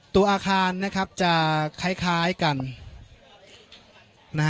ตัวอาคารนะครับจะคล้ายกัน